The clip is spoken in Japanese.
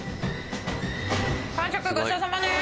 完食ごちそうさまです。